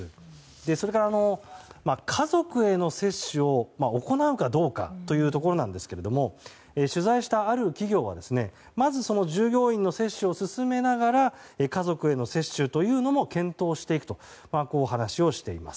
それから、家族への接種を行うかどうかというところですが取材した、ある企業はまず、従業員の接種を進めながら家族への接種というのも検討していくと話をしています。